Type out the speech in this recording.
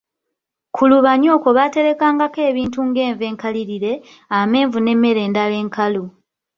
"Ku lubanyi okwo baaterekangako ebintu ng’enva enkalirire, amenvu n’emmere endala enkalu."